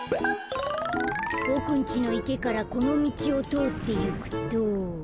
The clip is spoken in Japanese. ボクんちのいけからこのみちをとおっていくと。